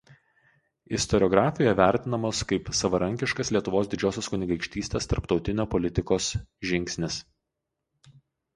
Istoriografijoje vertinamos kaip savarankiškas Lietuvos Didžiosios Kunigaikštytės tarptautinio politikos žingsnis.